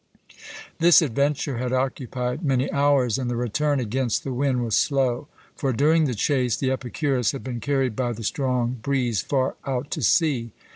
This adventure had occupied many hours, and the return against the wind was slow; for, during the chase the Epicurus had been carried by the strong breeze far out to sea.